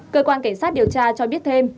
cơ quan cảnh sát điều tra cho biết thêm